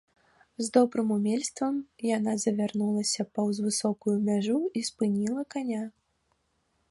З добрым умельствам яна завярнулася паўз высокую мяжу і спыніла каня.